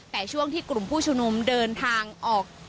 แต่ช่วงที่กลุ่มผู้ชุมนุมเดินทางออก